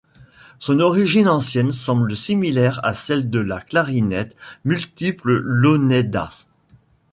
Son origine ancienne semble similaire à celle de la clarinette multiple launeddas.